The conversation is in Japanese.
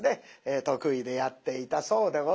得意でやっていたそうでございます。